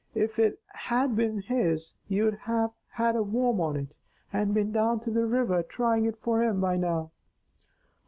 If it had been his, you'd have had a worm on it and been down to the river trying it for him by now."